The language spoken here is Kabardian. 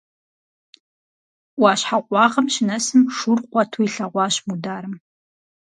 Ӏуащхьэ къуагъым щынэсым шур къуэту илъэгъуащ Мударым.